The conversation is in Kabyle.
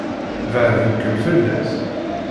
Baɛden-kem fell-as.